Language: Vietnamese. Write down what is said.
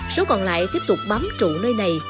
số còn lại tiếp tục bám trụ nơi này